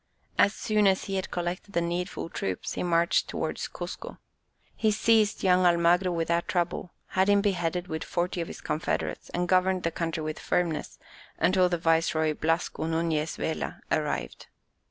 As soon as he had collected the needful troops, he marched towards Cuzco. He seized young Almagro without trouble, had him beheaded with forty of his confederates and governed the country with firmness, until the viceroy Blasco Nuñez Vela, arrived.